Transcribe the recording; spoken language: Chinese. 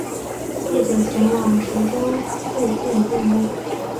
不久前往池州会见杜牧。